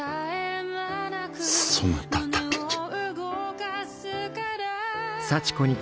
そなただけじゃ。